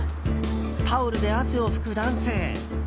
タオルで汗を拭く男性。